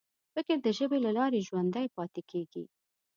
فکر د ژبې له لارې ژوندی پاتې کېږي.